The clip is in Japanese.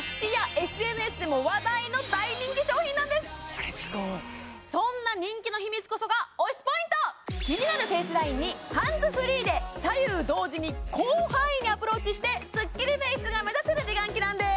こちらは何としておりましてそんな人気の秘密こそが推しポイントキニナルフェイスラインにハンズフリーで左右同時に広範囲にアプローチしてスッキリフェイスが目指せる美顔器なんです